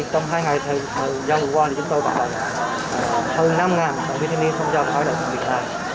trong hai ngày giao hữu qua chúng tôi có hơn năm đội viên thanh niên tham gia vào hai đội hình tình nguyện